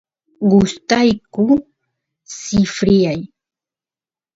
gustayku sifryay